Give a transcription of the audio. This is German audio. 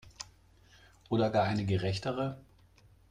Oder gar eine gerechtere?